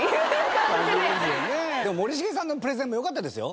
でも森重さんのプレゼンも良かったですよ！